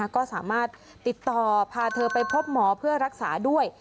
ก็สามารถติดต่อพาเธอไปพบหมอเพื่อรักษาด้วย